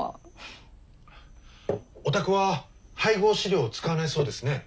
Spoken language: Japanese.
お宅は配合飼料を使わないそうですね。